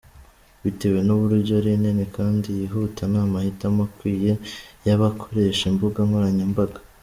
Bitewe n’uburyo ari nini kandi yihuta, ni amahitamo akwiye y’abakoresha imbuga nkoranyambaga.